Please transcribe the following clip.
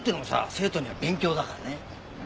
生徒には勉強だからね。